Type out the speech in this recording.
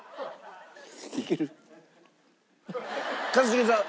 一茂さん